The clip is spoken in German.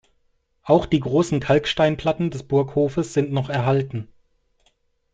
Auch die großen Kalksteinplatten des Burghofes sind noch erhalten.